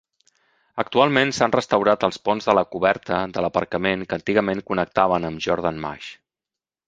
Actualment s'han restaurat els ponts de la coberta de l'aparcament que antigament connectaven amb Jordan Mash.